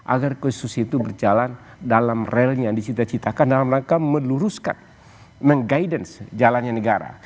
agar konstitusi itu berjalan dalam relnya yang dicita citakan dalam rangka meluruskan meng guidance jalannya negara